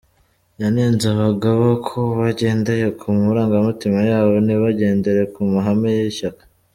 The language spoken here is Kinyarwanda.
Yanenze abangaba ko bagendeye ku marangamutima yabo ntibagendere ku mahame y’ishyaka.